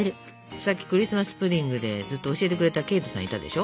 さっきクリスマス・プディングでずっと教えてくれたケイトさんいたでしょ。